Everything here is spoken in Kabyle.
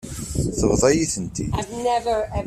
Tebḍa-yi-tent-id.